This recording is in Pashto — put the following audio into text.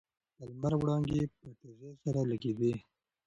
د لمر وړانګې په تېزۍ سره لګېدې.